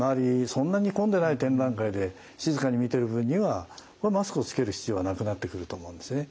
そんなに混んでない展覧会で静かに見てる分にはマスクをつける必要はなくなってくると思うんですね。